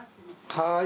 はい。